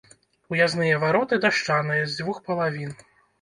Уязныя вароты дашчаныя з дзвюх палавін.